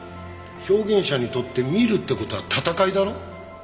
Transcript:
表現者にとって見るって事は戦いだろ。